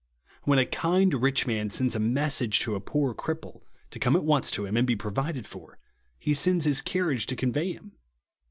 When a kind rich man sends a message to a poor cripple to come at once to him and be provided for, he sends his carriage to convey him.